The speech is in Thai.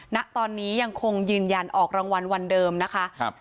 ณตอนนี้ยังคงยืนยันออกรางวัลวันเดิมนะคะครับ